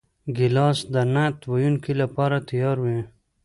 ګیلاس د نعت ویونکو لپاره تیار وي.